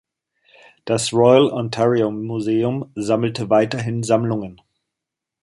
Das Royal Ontario Museum sammelte weiterhin Sammlungen.